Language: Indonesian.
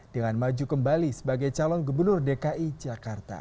dengan maju kembali sebagai calon gubernur dki jakarta